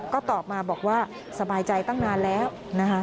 ก็ตอบมาบอกว่าสบายใจตั้งนานแล้วนะคะ